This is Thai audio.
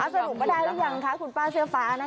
สรุปว่าได้หรือยังคะคุณป้าเสื้อฟ้า